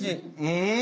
うん！